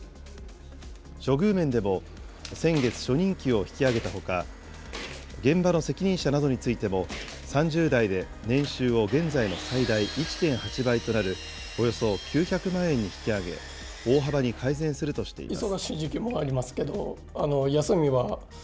処遇面でも先月、初任給を引き上げたほか、現場の責任者などについても、３０代で年収を現在の最大１．８倍となるおよそ９００万円に引き上げ、大幅に改善するとしています。